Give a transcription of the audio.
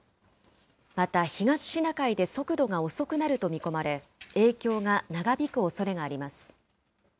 また東シナ海で速度が遅くなると見込まれ、影響が長引くおそれがあります。